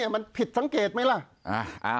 มันผิดสังเกตไหมล่ะ